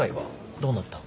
どうなった？